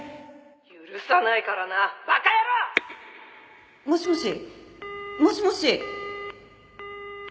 「許さないからな馬鹿野郎！」もしもし？もしもし！